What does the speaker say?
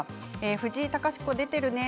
藤井隆子、出てているね。